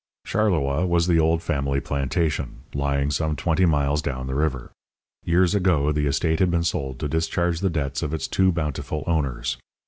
Charleroi was the old family plantation, lying some twenty miles down the river. Years ago the estate had been sold to discharge the debts of its too bountiful owners.